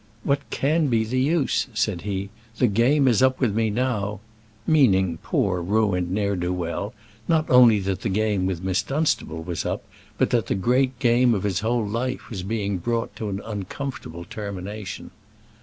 "What can be the use?" said he. "The game is up with me now;" meaning, poor, ruined ne'er do well, not only that that game with Miss Dunstable was up, but that the great game of his whole life was being brought to an uncomfortable termination.